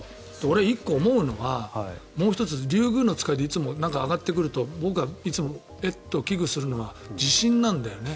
１個思うのはもう１つ、リュウグウノツカイがいつも上がってくると僕はえっと危惧するのは地震なんだよね。